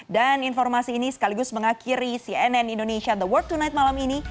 dan informasi ini sekaligus mengakhiri cnn indonesia the world tonight malam ini